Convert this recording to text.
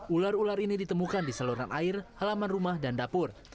ular ular ini ditemukan di saluran air halaman rumah dan dapur